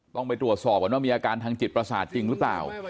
ต้องไปตรวจสอบก่อนว่ามีอาการทางจิตประสาทจริงหรือเปล่า